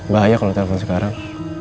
bahaya kalau telepon sekarang